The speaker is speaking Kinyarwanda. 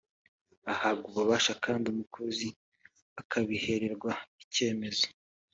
ahabwa ububasha kandi umukozi akabihererwa icyemezo